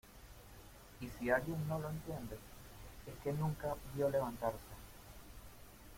y si alguien no lo entiende, es que nunca vio levantarse